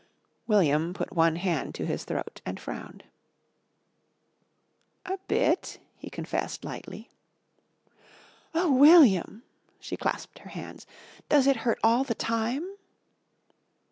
William put one hand to his throat and frowned. "A bit," he confessed lightly. "Oh, William!" she clasped her hands. "Does it hurt all the time?"